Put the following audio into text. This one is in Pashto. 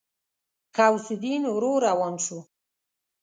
غوث الدين ورو روان شو.